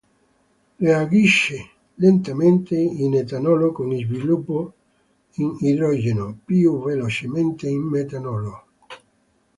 Reagisce lentamente in etanolo con sviluppo di idrogeno, più velocemente in metanolo.